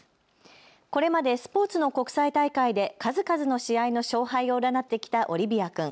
これまでスポーツの国際大会で数々の試合の勝敗を占ってきたオリビア君。